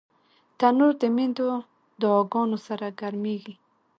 تنور د میندو دعاګانو سره ګرمېږي